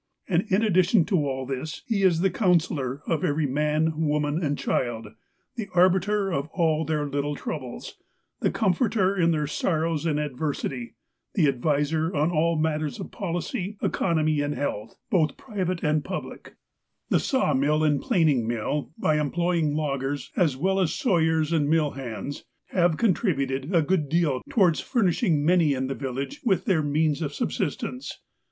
And in addition to all this, he is the counsellor of every man, woman and child, the arbiter in all their little troubles, the comforter in their sorrows and adversity, the adviser on all matters of policy, economy, and health, both pri vate and public. 350 THE METLAKAHTLA INDUSTRIES 351 The sawmill aud planing mill, by employing loggers, as well as sawyers aud mill hands, have contributed a good deal towards furnishing many in the village with their means of subsistence.